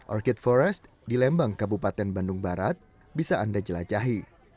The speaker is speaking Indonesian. orkid forest di lembang kabupaten bandung barat bisa anda jelajahi